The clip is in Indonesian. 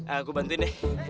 aku bantuin deh